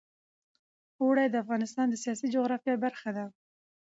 اوړي د افغانستان د سیاسي جغرافیه برخه ده.